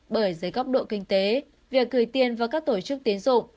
bởi dưới góc độ kinh tế việc gửi tiền vào các tổ chức tiến dụng